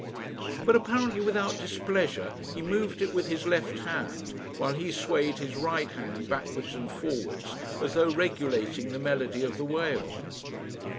But, apparently without displeasure, he moved it with his left hand, while he swayed his right hand backwards and forwards as though regulating the melody of the wail.